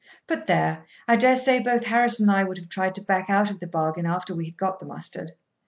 But there! I daresay both Harris and I would have tried to back out of the bargain after we had got the mustard.